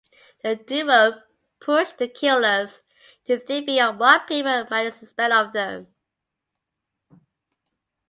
The duo pushed The Killers to think beyond what people might expect of them.